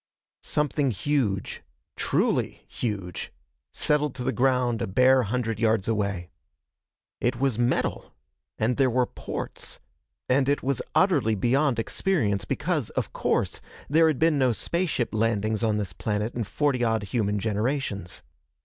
Something huge truly huge! settled to the ground a bare hundred yards away. It was metal, and there were ports, and it was utterly beyond experience, because, of course, there had been no spaceship landings on this planet in forty odd human generations.